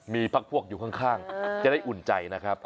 มีพักพวกอยู่ข้างจะได้อุ่นใจนะครับ